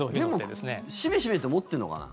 でも、しめしめって思ってるのかな。